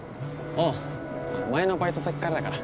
うん前のバイト先からだから。